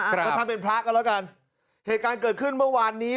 ก็ทำเป็นพระกันแล้วกันเหตุการณ์เกิดขึ้นเมื่อวานนี้